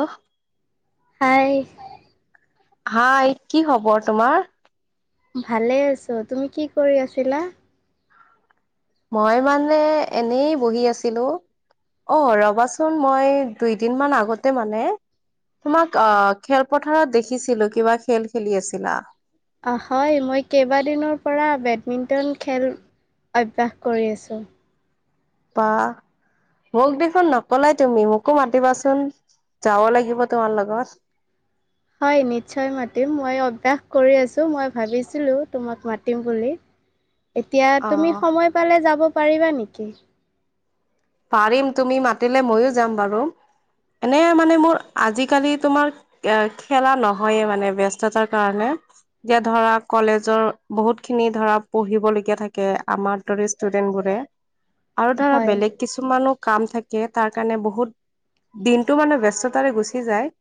অহ hi hi hi কি খবৰ তোমাৰ ভালে আছো তুমি কি কৰি আছিলা মই মানে এনেই বহি আছিলো অ ৰবাচোন মই দুইদিনমান আগতে মানে তোমাক অ খেলপথাৰত দেখিছিলো কিবা খেল খেলি আছিলা হয় মই কেইবাদিনৰ পৰা বেডমিণ্টন খেল অভ্যাস কৰি আছো বাহ মোক দেখোন নকলাই তুমি মোকো মাতিবাচোন যাব লাগিব তোমাৰ লগত হয় নিশ্চয় মাতিম মই অভ্যাস কৰি আছোঁ মই ভাবিছিলোঁ তোমাক মাতিম বুলি এতিয়া অ তুমি সময় পালে যাব পাৰিবা নেকি পাৰিম তুমি মাতিলে মইয়ো যাম বাৰু এনে মানে মোৰ আজিকালি তোমাৰ এ খেলা নহয়ে মানে ব্যস্ততাৰ কাৰণে এতিয়া ধৰা কলেজৰ বহুত খিনি ধৰা পঢ়িবলগীয়া থাকে আমাৰ দৰে ষ্টুডেন্ট বোৰে [inaudible] আৰু ধৰা বেলেগ কিছুমানো কাম থাকে তাৰ কাৰণে বহুত দিনটো মানে ব্যস্ততাৰে গুচি যায়।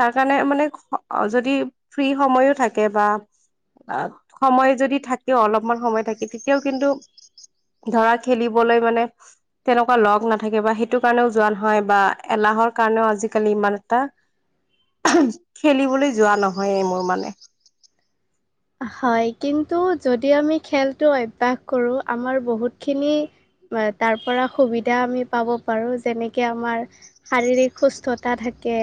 তাৰ কাৰণে মানে যদি ফ্ৰী সময়ো থাকে বা অ' সময় যদি থাকে অলপমান সময় থাকে তেতিয়াও কিন্তু ধৰা খেলিবলৈ মানে। তেনেকুৱা লগ নাথাকে বা সেইটো কাৰণেও যোৱা নহয় বা এলাহৰ কাৰণেও আজিকালি ইমান এটা এহ খেলিবলৈ যোৱা নহয়ে মোৰ মানে। হয় কিন্তু যদি আমি খেলটো অভ্যাস কৰো আমাৰ বহুতখিনি তাৰ পৰা সুবিধা আমি পাব পাৰো যেনেকে আমাৰ শাৰীৰিক সুষ্টতা থাকে।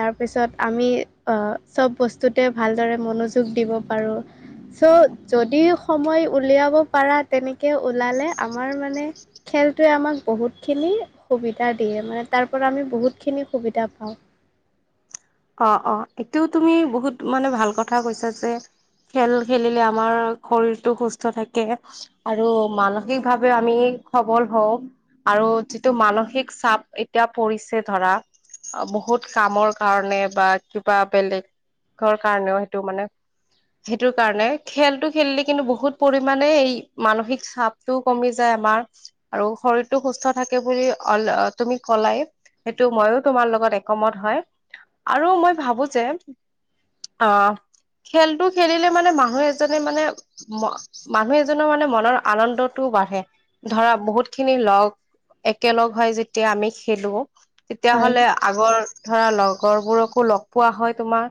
তাৰপিছত আমি অ চব বস্তুতে ভালদৰে মনোযোগ দিব পাৰোঁ। চ' যদি সময় উলিয়াব পাৰা তেনেকে ওলালে আমাৰ মানে খেলটোৱে আমাক বহুতখিনি সুবিধা দিয়ে মানে তাৰ পৰা আমি বহুতখিনি সুবিধা পাওঁ। অ অ এইটো তুমি বহুত মানে ভাল কথা কৈছা যে খেল খেলিলে আমাৰ শৰীৰটো সুস্থ থাকে। আৰু মানসিক ভাৱে আমি সবল হওঁ। আৰু যিটো মানসিক চাপ এতিয়া পৰিছে ধৰা। বহুত কামৰ কাৰণে বা কিবা বেলেগৰ কাৰণেও সেইটো মানে। সেইটোৰ কাৰণে খেলটো খেলিলে কিন্তু বহুত পৰিমানে এই মানসিক চাপ টোও কমি যায় আমাৰ আৰু শৰীৰটো সুস্থ থাকে বুলি অ' তুমি কলাই। সেইটো ময়ো তোমাৰ লগত একমত হয়। আৰু মই ভাবো যে অ খেলটো খেলিলে মানে মানুহ এজনে মানে ম মানুহ এজনৰ মানে মনৰ আনন্দটোও বাঢ়ে ধৰা বহুত খিনি লগ একেলগ হৈ যেতিয়া আমি খেলো তেতিয়া হয় হ'লে আগৰ ধৰা লগ। লগৰবোৰকো লগ পোৱা হয় তোমাৰ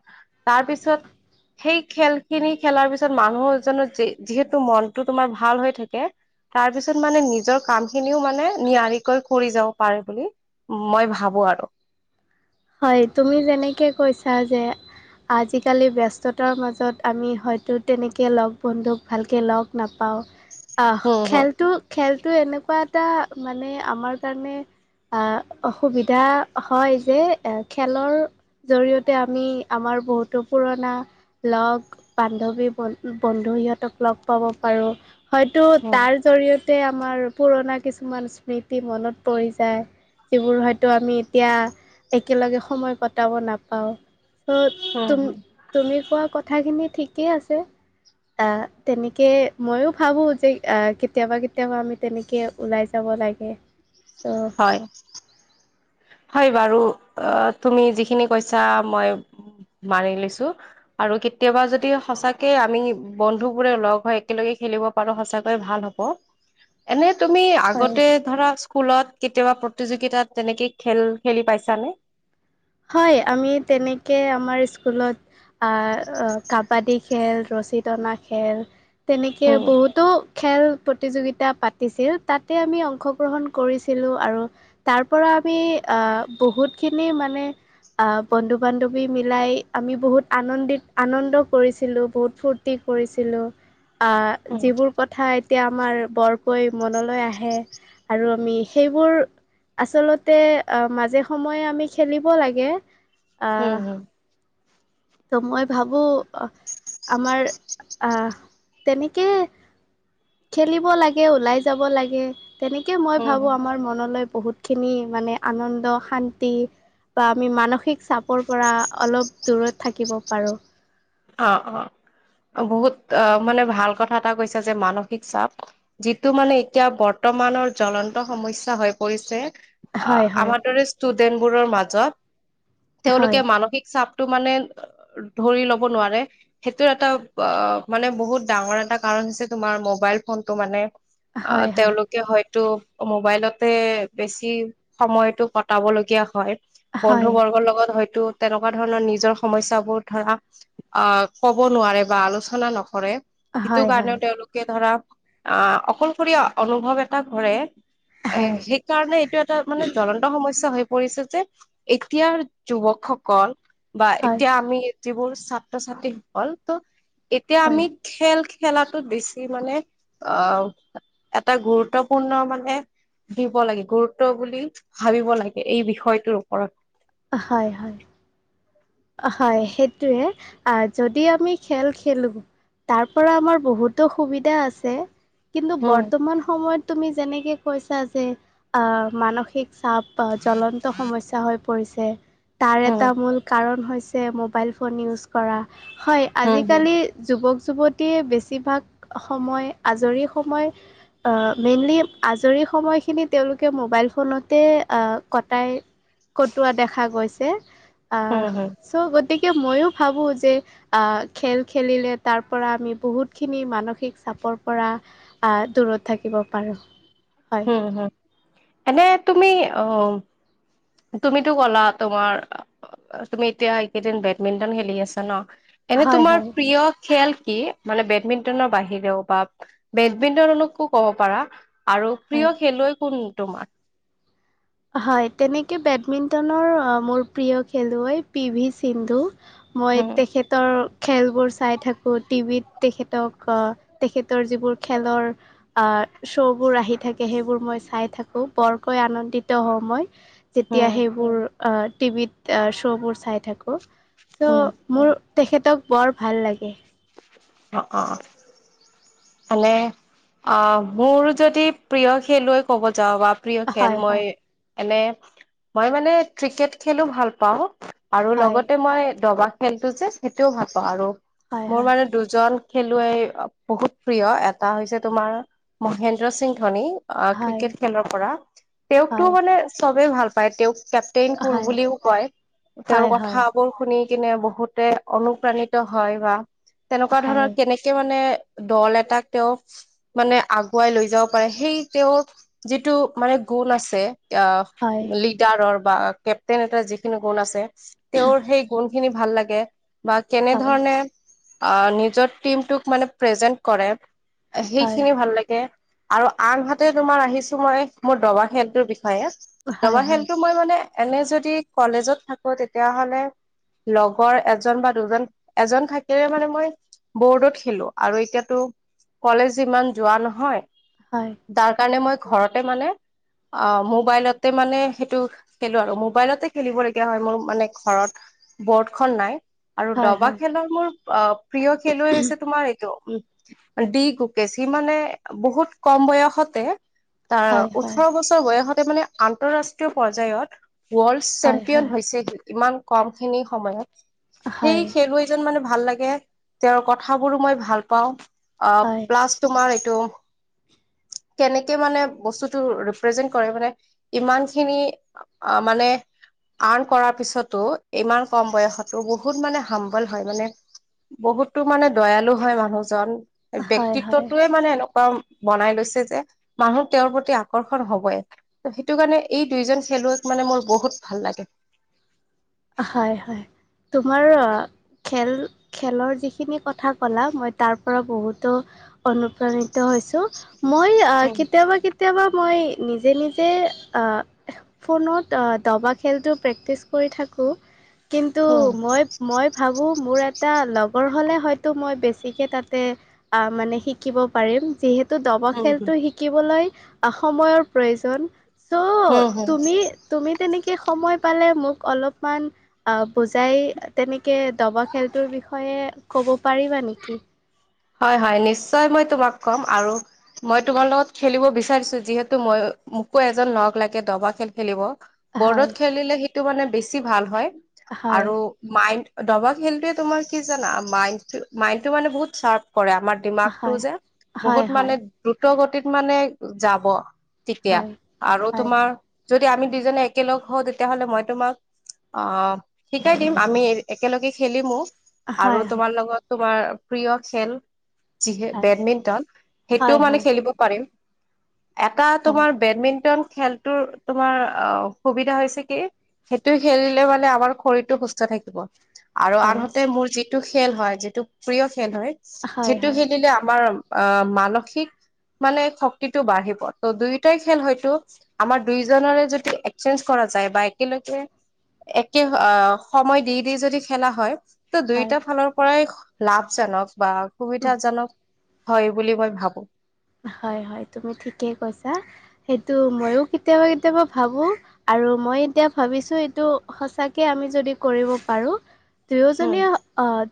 তাৰ পিছত সেই খেল খিনি খেলাৰ পিছত মানুহজনৰ যি যিহেতু মনটো তোমাৰ ভাল হৈ থাকে। তাৰপিছত মানে নিজৰ কাম খিনিও মানে নিয়াৰিকৈ কৰি যাব পাৰে বুলি মই ভাবো আৰু হয় তুমি যেনেকে কৈছা যে আজিকালি ব্যস্ততাৰ মাজত আমি হয়তো তেনেকে লগ বন্ধুক ভালকে লগ নাপাওঁ। আহ হম হম খেলতো, খেলতো এনেকুৱা এটা মানে আমাৰ কাৰণে। আহ অসুবিধা হয় যে এ খেলৰ জৰিয়তে আমি আমাৰ বহুতো পুৰণা লগ বান্ধৱী বন্ধু সিহঁতক লগ পাব পাৰো। হয়তো হম তাৰ জৰিয়তে আমাৰ পুৰণা কিছুমান স্মৃতি মনত পৰি যায়। যিবোৰ হয়তো আমি এতিয়া একেলগে সময় কটাব নাপাওঁ চ' হম তুম হম তুমি কোৱা কথাখিনি ঠিকেই আছে। আহ তেনেকে ময়ো ভাবোঁ যে কেতিয়াবা কেতিয়াবা আমি তেনেকে ওলাই যাব লাগে চ' হয়। হয় বাৰু অ' তুমি যিখিনি কৈছা মই মানি লৈছো। আৰু কেতিয়াবা যদি সঁচাকে আমি বন্ধুবোৰে লগ হৈ একেলগে খেলিব পাৰোঁ সঁচাকৈয়ে ভাল হ'ব। [inaudible] এনে তুমি হয় আগতে ধৰা স্কুলত কেতিয়াবা প্ৰতিযোগিতাত তেনেকে খেল খেলি পাইছা নে? হয়, আমি তেনেকে আমাৰ স্কুলত আহ, আ কাবাডী খেল, ৰছী টনা খেল তেনেকে উম বহুত ত', খেল প্ৰতিযোগিতা পাতিছিল তাতে আমি অংশগ্ৰহণ কৰিছিলোঁ আৰু তাৰ পৰা আমি, আ, বহুত খিনি মানে আ, বন্ধু বান্ধৱী মিলাই আমি বহুত আনন্দিত আনন্দ কৰিছিলোঁবহুত ফুৰ্ট ৰ্টি কৰিছিলোঁ। আ, উম যিবোৰ কথা এতিয়া আমাৰ বৰকৈ মনলৈ আহে আৰু আমি সেইবোৰ আচলতে আ, মাজে সময়ে আমি খেলিব লাগে। হোম, আহ হোম ত' মই ভাবো আমাৰ আ, তেনেকে খেলিব লাগে, উলায় যাব লাগে। তেনেকে মই উম ভাবো, হুম আমাৰ মনলৈ বহুত খিনি মানে আনন্দ শান্তি বা আমি মানসিক চাপৰ পৰা অলপ দূৰত থাকিব পাৰো। অ', অ' বহুত আহ মানে ভাল কথা এটা কৈছা যে মানসিক চাপ যিটো মানে এতিয়া বৰ্তমানৰ জ্বলন্ত সমস্যা হৈ পৰিছে আহ হয় হয় আমাৰ দৰে ষ্টুডেন্ট বোৰৰ মাজত তেওঁলোকে হয় মানসিক চাপ টো মানে, ধৰি ল'ব নোৱাৰে। সেইটোৰ এটা অ' মানে বহুত ডাঙৰ এটা কাৰণ হৈছে তোমাৰ মোবাইল ফোনটো মানে অ' হয় হয় তেওঁলোক কে হয়তো মোবাইলতে বেছি সময়টো কটাব লগীয়া হয়। হয় বন্ধুবৰ্গৰ লগত হয়তো তেনেকুৱা ধৰণৰ নিজৰ সমস্যাবোৰ ধৰা অ' ক'ব নোৱাৰে বা আলোচনা নকৰে, সেইটো হয় হয় কাৰণেও তেওঁলোক তেনেকে ধৰা, আহ অকলশৰীয়া অনুভৱ এটা কৰে। এ হয় হয় সেইকাৰণে এইটো এটা মানে জ্বলন্ ন্ত সমস্যা হৈ পৰিছে যে, এতিয়াৰ যুৱকসকল বা হয় এতিয়া আমি যিবোৰ ছাত্ৰ ছাত্ৰী সকল, ত' এতিয়া হয় আমি খেল খেলাটোত বেছি মানে, আ এটা গুৰুত্বপূৰ্ণ মানে দিব লাগে, গুৰুত্ব বুলি ভাবিব লাগে এই বিষয়টোৰ ওপৰত। হয়, হয়। অ' হয়, সেইটোৱে আহ যদি আমি খেল খেলো তাৰ পৰা আমাৰ বহুতো সুবিধা আছে। কিন্তু হম, বৰ্তমান সময়ত তুমি যেনেকে কৈছা যে, অ' মানসিক চাপ বা জ্বলন্ত সমস্যা হৈ পৰিছে, তাৰ এটা হম, মূল কাৰণ হৈছে মোবাইল ফোন ইউজ কৰা, হয় হম, হম, আজিকালি যুৱক যুৱতীয়ে বেছিভাগ সময়, আজৰি সময় অ' মেইনলি আজৰি সময়খিনি তেওঁলোকে মোবাইল ফোনতে, আ' কটাই কটোৱা দেখা গৈছে, আহ হম, হম, চ' গতিকে মইয়ো ভাবো যে আ, খেল খেলিলে তাৰ পৰা আমি বহুতখিনি মানসিক চাপৰ পৰা আ, দূৰত থাকিব পাৰোঁ। হম, হম, এনে তুমি অ' তুমিতো ক'লা, তোমাৰ আ অ' তুমি এতিয়া এইকেইদিন বেডমিন্টন আছা ন, এনে হয় তোমাৰ হয় প্ৰিয় খেল কি? মানে বেডমিণ্টনৰ বাহিৰেও বা বেডমিণ্টনলৈকো ক'ব পাৰা, আৰু হয় প্ৰিয় খেলুৱৈ কোন তোমাৰ? হয়, তেনেকে বেডমিণ্টনৰ মোৰ প্ৰিয় খেলুৱৈ পি ভি সিন্ধু। মই উম তেখেতৰ খেলবোৰ চাই থাকোঁ। টিভিত তেখেতক তেখেতৰ যিবোৰ, খেলৰ আ, শ্ব'বোৰ আহি থাকে, সেইবোৰ মই চাই থাকো। বৰকৈ আনন্দিত ত মই, যেতিয়া উম সেইবোৰ আহ টিভিত আহ শ্ব'বোৰ চাই থাকোঁ। চ' উম মোৰ তেখেতক, বৰ ভাল লাগে। অ', অ'। মানে, আ' মোৰ যদি প্ৰিয় খেলুৱৈ ক'ব যাওঁ বা প্ৰিয় খেল হয় হয় মই এনে, মই মানে ক্ৰিকেট খেলো ভাল পাওঁ। আৰু হয় লগতে মই, দবা খেলতটো যে, সেইটোও ভাল পাওঁ। আৰু হয় মোৰ মানে দুজন খেলুৱৈ, বহুত প্ৰিয়। এটা হৈছে তোমাৰ, মহেন্দ্ৰ সিং ধোনী অ' হয় ক্ৰিকেট খেলৰ পৰা, তেওঁকটো হয় মানে চবেই ভাল পায়, তেওঁক কেপ প্টেইন কুৰ হয় বুলিও কয়, তেওঁৰ হয় কথা হয় বোৰ শুনি কিনে বহুতে অনুপ্ৰাণিত হয় বা, তেনেকুৱা হয় হয় ধৰণৰ কেনেকে মানে দল এটাক তেওঁ মানে আগুৱাই লৈ যাব পাৰে, সেই তেওঁৰ যিটো মানে গুণ আছে, আহ হয় লিডাৰৰ বা, কেপটেইন এটা যিখিনি গুণ আছে, তেওঁৰ সেই গুণ খিনি ভাল লাগে, বা হয় কেনেধৰণে আ' নিজৰ টীম তোক মানে প্ৰেজেণ্ট কৰে, এ হয় সেইখিনি ভাল লাগে। আৰু আনহাতে তোমাৰ আহিছো মই, মোৰ দবা খেলটোৰ বিষয়ে। হয় দবা হয় খেলটো মই মানে, এনে যদি কলেজত থাকো তেতিয়া হ'লে লগৰ এজন বা দুজন, এজন থাকিলে মানে মই, বৰ্ডত খেলো। আৰু এতিয়াতো, কলেজ ইমান যোৱা নহয়। হয়। দাৰ কাৰণে মই ঘৰতে মানে, অ' মোবাইলতে মানে সেইটো খেলো আৰু মোবাইলতে খেলিব লগীয়া হয় মোৰ মানে ঘৰত বৰ্ডখন নাই। আৰু হয় দবা হয় খেলাৰ মোৰ অ' প্ৰিয় খেলুৱৈ হৈছে তোমাৰ এ টো ওম ডি গুকেশ, সি মানে বহুত কম বয়সতে তাৰ হয় হয় ওঠৰ বছৰ বয়সতে মানে আন্তঃৰাষ্ট্ৰীয় পৰ্য্যায়ত, ৱৰ্ল্ড হয় হয় চেম্পিয়ন হৈছে সি, ইমান কমখিনি সময়ত হয় সেই খেলুৱৈ জন মানে ভাল লাগে, তেওঁৰ কথাবোৰো মই ভাল পাওঁ, অ', হয় প্লাছ তোমাৰ এইটো কেনেকে মানে বস্তুটো ৰিপ্ৰেজেন্ট কৰে মানে ইমানখিনি অ' মানে আৰ্ন কৰাৰ পিছতো ইমান কম বয়সতো বহুত মানে হাম্বল হয় মানে বহুতো মানে দয়ালু হয় মানুহজন, হয় হয় ব্যক্তিত্বটোয়ে মানে এনেকুৱা বনাই লৈছে যে, মানুহ তেওঁৰ প্ৰতি আকৰ্ষণ হবই। ত' সেইটো কাৰণে এই দুইজন খেলুৱৈক মানে মোৰ বহুত ভাল লাগে। অ হয়-হয়, তোমাৰ খেল, খেলৰ যিখিনি কথা ক'লা, মই তাৰ পৰা বহুতো অনুপ্ৰাণিত হৈছো, মই আহ' উম কেতিয়াবা-কেত তিয়াবা মই, নিজে-নিজে আহ ফোনত অ দবা খেলটো প্ৰেক্টিচ কৰি থাকোঁ কিন্তু মই মই ভাবোঁ, মোৰ এটা লগৰ হ'লে হয়তো মই বেছিকে তাতে আহ' মানে শিকিব পাৰিম যিহে ত' দব উম উম খেলটো শিকিবলৈ অ সময়ৰ প্ৰয়োজন। হম চ' হম তুমি তুমি তেনেকে সময় পালে মোক অলপমান আহ' বুজাই, তেনেকে দবা খেলটোৰ বিষয়ে ক'ব পাৰিবা নেকি? হয়-হয়, নিশ্চয় মই তোমাক কম আৰু মই তোমাৰ লগত খেলিব বিচাৰিছো। যিহেতু মই, মোকো এজন লগ লাগে দবা খেল খেলিব। হয় বৰ্ডত খেলিলে সেইটো মানে বেছি ভাল হয় হয় আৰু মাইণ্ড দবা খেলটোৱে তোমাৰ কি জানা মাইণ্ডটো মাইণ্ডটো মানে বহুত চাৰ্প কৰে আমাৰ দিমাগটো যে হয় হয় বহুত হয় মানে দ্ৰুতগতিত মানে যাব তেতিয়া হয় আৰু হয় তোমাৰ যদি আমি দুইজনে একেলগ হওঁ তেতিয়াহ'লে মই তোমাক অ শিকাই দিম, আমি এ একেলগে খেলিমো। আৰু হয় হয় তোমাৰ লগত তোমাৰ প্ৰিয় খেল যিহে হয় বেডমিণ্টন হয় সেইটোও মানে হয় খেলিব পাৰিম। এটা হয়, তোমাৰ বেডমিন্টন খেলটোৰ তোমাৰ অ সুবিধা হৈছে কি সেইটো খেলিলে মানে আমাৰ শৰীৰটো সুস্থ থাকিব। আৰু হয়, আনহাতে মোৰ যিটো খেল হয় যিটো প্ৰিয় খেল হয় হয়, সেইটো হয়, খেলিলে আমাৰ আহ মানসিক মানে শক্তিটো বাঢ়িব, ত' দুয়োটাই খেল হয়তো আমাৰ দুইজনৰে যদি এক্সচেঞ্জ কৰা যায় বা একেলগে একে আঁহ সময় দি দি যদি খেলা হয় ত হয়, দুইটা ফালৰ পৰাই লাভজনক বা উম, সুবিধাজনক হয় বুলি মই ভাবো। হয় হয় তুমি ঠিকেই কৈছা সেইটো ময়ো কেতিয়াবা কেতিয়াবা ভাবোঁ। আৰু মই এতিয়া ভাবিছো এইটো সঁচাকে আমি যদি কৰিব পাৰোঁ উম, দুয়োজনে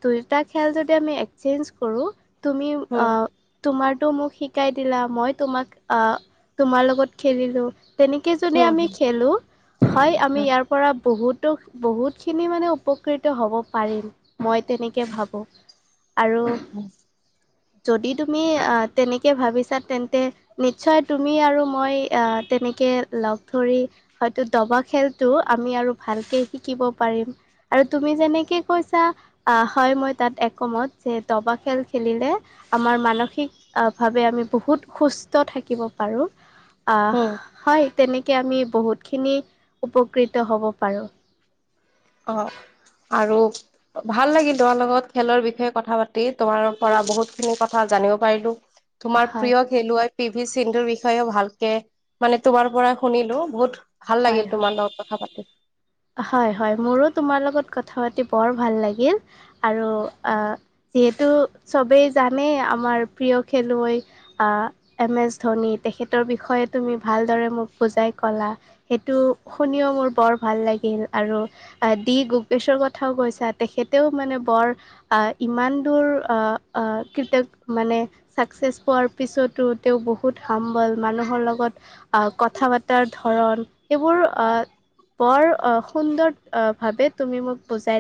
দুয়োটা খেল যদি আমি এক্সচেঞ্জ কৰোঁ। তুমি হুম, অ', তোমাৰটো মোক শি শিকাই দিলা মই তোমাক আহ, তোমাৰ লগত খেলিলোঁ। তেনেকৈ যদি হুম, আমি হুম, খেলোঁ হয়, আমি হুম, ইয়াৰ পৰা বহুতো বহুতখিনি মানে উপকৃত হ'ব পাৰিম। মই তেনেকে ভাবোঁ আৰু উম। যদি তুমি আহ তেনেকে ভাবিছা তেন্তে নিশ্চয় তুমি আৰু মই তেনেকৈ লগ ধৰি হয়তো দবা খেলটো আমি আৰু ভালকে শিকিব পাৰিম। আৰু তুমি যেনেকে কৈছা আহ, হয় মই তাত একমত যে দবা খেল খেলিলে আমাৰ মানসিক আহ ভাৱে আমি বহুত সুস্থ থাকিব পাৰোঁ, হুম, হয় তেনেকে আমি বহুতখিনি উপকৃত হ'ব পাৰোঁ। অ', আৰু ভাল লাগিল তোমাৰ লগত খেলৰ বিষয়ে কথা পাতি, তোমাৰ পৰা বহুত খিনি কথা জানিব পাৰিলোঁ। তোমাৰ হয় প্ৰিয় খেলুৱৈ পি ভি সিন্ধুৰ বিষয়েও ভালকে মানে তোমাৰ পৰাই শুনিলো, বহুত ভাল হয় লাগিল হয়। তোমাৰ লগত কথা পাতি। হয়, হয়, মোৰো তোমাৰ লগত কথা পাতি বৰ ভাল লাগিল আৰু আ যিহেতু চবেই জানেই আমাৰ প্ৰিয় খেলুৱৈ আ, এম এছ ধোনী তেখেতৰ বিষয়ে তুমি ভালদৰে মোক বুজাই ক'লা। সেইটো শুনিও মোৰ বৰ ভাল লা লাগিল আৰু দি গকেশৰ কথাও কৈছা তেখেতেও মানে বৰ আহ, ইমান দূৰ আহ, কৃত মানে ছাকচেছ পোৱাৰ পিছতো তেওঁ বহুত হাম্বল মানুহৰ লগত আহ, কথা পতাৰ ধৰণ এইবোৰ আহ অ', সুন্দৰ ভাৱে তুমি মোক বুজাই